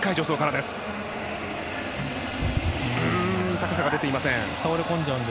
高さが出ていません。